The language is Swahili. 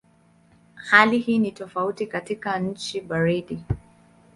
Hali hii ni tofauti katika nchi baridi.